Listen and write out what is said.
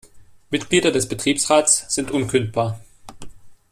Mitglieder des Betriebsrats sind unkündbar.